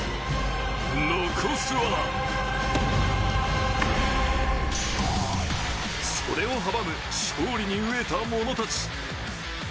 残すはそれを阻む勝利に飢えた者たち。